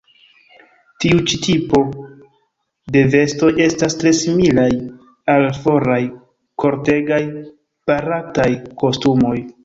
Tiu ĉi tipo de vestoj estas tre similaj al foraj kortegaj barataj kostumoj.